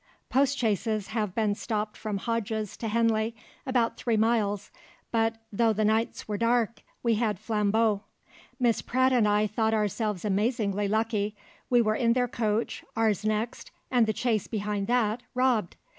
Postchaises had been stopped from Hodges to Henley, about three miles; but though the nights were dark we had flambeaux. Miss Pratt and I thought ourselves amazingly lucky; we were in their coach, ours next, and the chaise behind that, robbed.